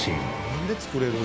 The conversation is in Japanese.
なんで作れるん？